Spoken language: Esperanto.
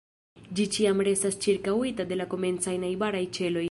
Ĝi ĉiam restas ĉirkaŭita de la komencaj najbaraj ĉeloj.